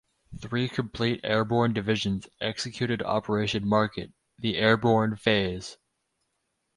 Three complete airborne divisions executed Operation Market, the airborne phase.